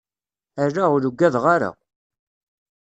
Ala, ur ugadeɣ ara.